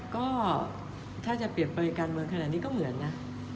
ก็ถ้าจะเปรียบเปลยการเมืองขนาดนี้ก็เหมือนนะ